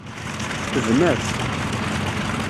Tebna-t.